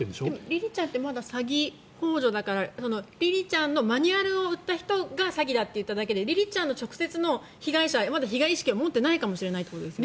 りりちゃんってまだ詐欺ほう助だからりりちゃんのマニュアルを売った人が詐欺だといっただけでりりちゃんの直接の被害者は被害意識を持っていないかもしれないということですね。